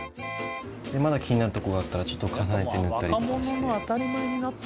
でまだ気になるとこがあったらちょっと重ねて塗ったりとかして。